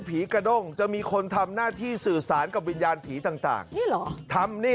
มีเหตุผลที่เหมือนกันกับวิญญาณผีต่างนี่หรอ